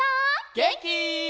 げんき？